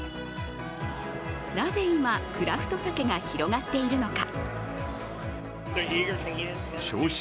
なぜ今、クラフト酒が広がっているのか。